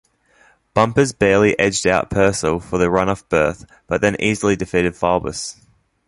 Bumpers barely edged out Purcell for the runoff berth but then easily defeated Faubus.